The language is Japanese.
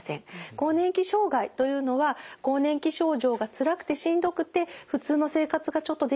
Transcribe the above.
更年期障害というのは更年期症状がつらくてしんどくて普通の生活がちょっとできない。